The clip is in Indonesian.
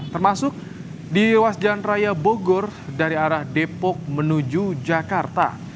termasuk di ruas jalan raya bogor dari arah depok menuju jakarta